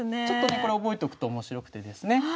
ちょっとねこれ覚えとくと面白くてですね。